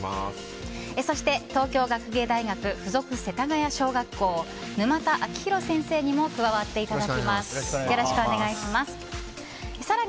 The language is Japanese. そして、東京学芸大学付属世田谷小学校沼田晶弘先生にも加わっていただきます。